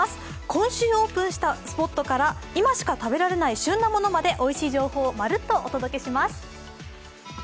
今週オープンしたスポットから今しか食べられない旬のものまでおいしい情報をまるっとお届けします。